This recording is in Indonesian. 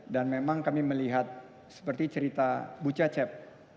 dan memang kami melihat seperti cerita bu cacep